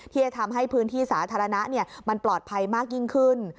ที่จะทำให้พื้นที่สาธารณะมันปลอดภัยมากยิ่งขึ้น